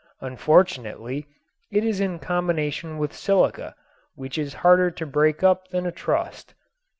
Unfortunately it is in combination with silica, which is harder to break up than a trust.